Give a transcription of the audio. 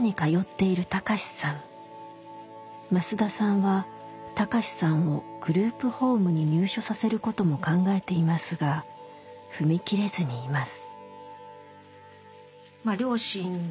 増田さんは貴志さんをグループホームに入所させることも考えていますが踏み切れずにいます。